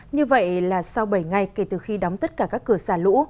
như vậy là sau bảy ngày kể từ khi đóng tất cả các cửa xả lũ